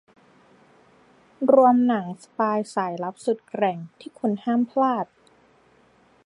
รวมหนังสปายสายลับสุดแกร่งที่คุณห้ามพลาด